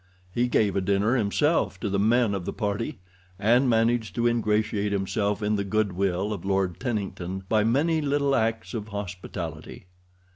He gave a dinner himself to the men of the party, and managed to ingratiate himself in the good will of Lord Tennington by many little acts of hospitality.